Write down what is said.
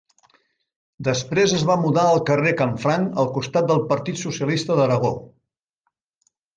Després es van mudar al carrer Canfranc al costat del Partit Socialista d'Aragó.